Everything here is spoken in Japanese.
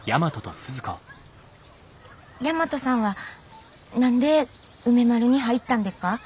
大和さんは何で梅丸に入ったんでっか？